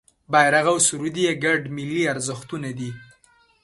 بېرغ او سرود یې ګډ ملي ارزښتونه وي.